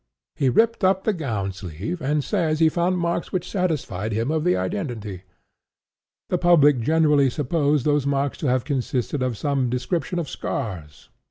He ripped up the gown sleeve, and says he found marks which satisfied him of the identity. The public generally supposed those marks to have consisted of some description of scars.